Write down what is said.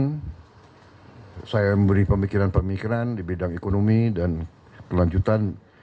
dan saya memberi pemikiran pemikiran di bidang ekonomi dan pelanjutan